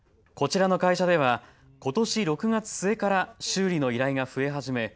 こちらの会社ではことし６月末から修理の依頼が増え始め